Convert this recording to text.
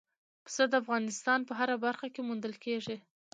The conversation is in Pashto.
پسه د افغانستان په هره برخه کې موندل کېږي.